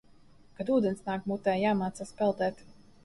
Kad ūdens nāk mutē, jāmācās peldēt.